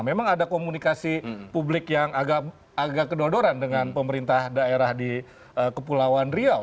memang ada komunikasi publik yang agak kedodoran dengan pemerintah daerah di kepulauan riau